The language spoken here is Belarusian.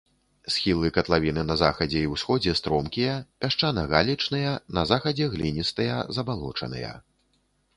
Схілы катлавіны на захадзе і ўсходзе стромкія, пясчана-галечныя, на захадзе гліністыя, забалочаныя.